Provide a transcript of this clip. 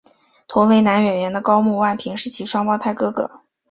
同为男演员的高木万平是其双胞胎哥哥。